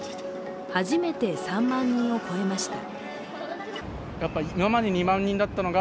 初めて３万人を超えました。